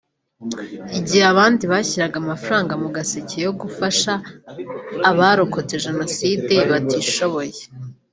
Igihe abandi bashyiraga amafaranga mu gaseke yo gufasha abarokotse Jenoside batishoboye